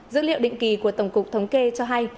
dữ liệu định kỳ của tổng cục thống kê cho hay